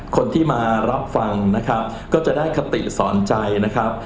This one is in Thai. คนที่มารับฟังนะครับก็จะได้คติสอนใจนะครับ